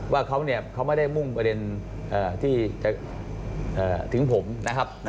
ว่าเขาไม่ได้มุ่งประเด็นที่จะถึงผมนะครับ